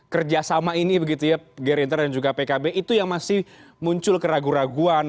kerjasama ini begitu ya dirindra dan juga pkp itu yang masih muncul keraguan raguan